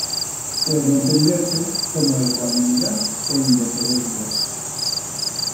Puede entenderse como ecuanimidad o indiferencia.